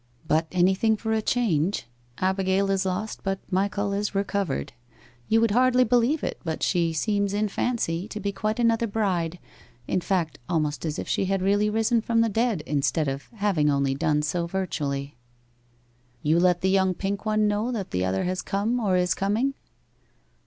But anything for a change Abigail is lost, but Michal is recovered. You would hardly believe it, but she seems in fancy to be quite another bride in fact, almost as if she had really risen from the dead, instead of having only done so virtually.' 'You let the young pink one know that the other has come or is coming?